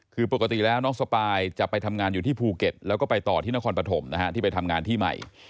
คือปกติแล้วน้องสปายจะไปทำงานอยู่ที่ภูเก็ตแล้วก็ไปต่อที่นครปฐมนะฮะที่ไปทำงานที่ใหม่